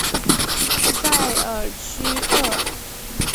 塞尔屈厄。